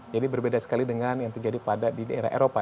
jadi berbeda sekali dengan yang terjadi pada di daerah eropa